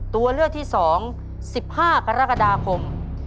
ตัวเลือกที่๒๑๕กรกฎาคม